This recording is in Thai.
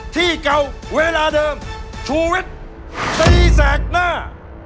ที่เก่าเวลาเดิมชูวิทย์ตีแสกหน้า